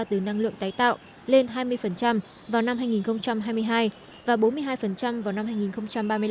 từ năng lượng tái tạo lên hai mươi vào năm hai nghìn hai mươi hai và bốn mươi hai vào năm hai nghìn ba mươi năm